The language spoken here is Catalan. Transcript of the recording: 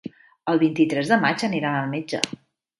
El vint-i-tres de maig aniran al metge.